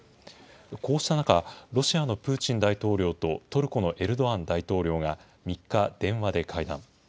こうした中、ロシアのプーチン大統領とトルコのエルドアン大統領が３日、電話で会談。